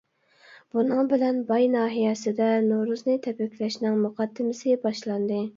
بۇنىڭ بىلەن باي ناھىيەسىدە نورۇزنى تەبرىكلەشنىڭ مۇقەددىمىسى باشلاندى.